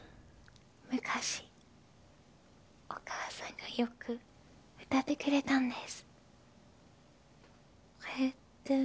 昔お母さんがよく歌ってくれたんです